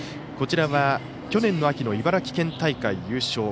こちらは去年の秋の茨城県大会優勝。